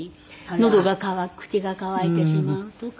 のどが渇く口が渇いてしまうとか。